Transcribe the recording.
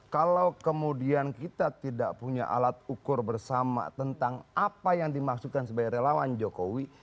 kalau kemudian kita tidak punya alat ukur bersama tentang apa yang dimaksudkan sebagai relawan jokowi